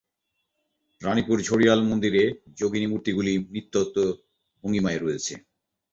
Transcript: রাণীপুর-ঝড়িয়াল মন্দিরে যোগিনী মূর্তিগুলি নৃত্যরত ভঙ্গিমায় রয়েছে।